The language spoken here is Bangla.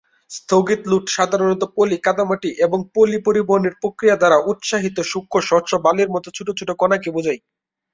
স্থগিত লোড সাধারণত পলি, কাদামাটি এবং পলি পরিবহনের প্রক্রিয়া দ্বারা উত্সাহিত সূক্ষ্ম শস্য বালির মতো ছোট ছোট কণাকে বোঝায়।